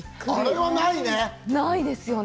あれはないね。